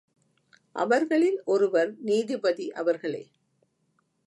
அவர்களில் ஒருவர், நீதிபதி அவர்களே!